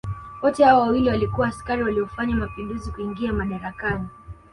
Wote hao wawili walikuwa askari waliofanya mapinduzi kuingia madarakani